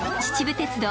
秩父鉄道